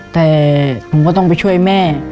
แต่ผมก็ต้องไปช่วยแม่